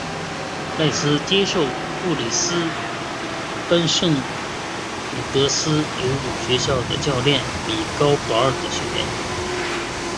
赖斯接受布里斯班圣彼得斯游泳学校的教练米高保尔的训练。